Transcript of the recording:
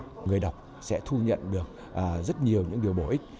người đọc sẽ thu nhận được rất nhiều những điều bổ ích